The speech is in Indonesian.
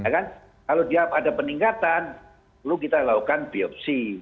kalau dia ada peningkatan perlu kita lakukan biopsi